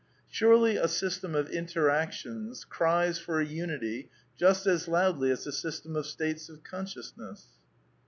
Surely a system of interactions cries for a unity just as loudly as a system of states of consciousness